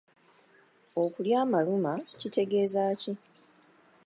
Okulya amaluma kitegeeza ki?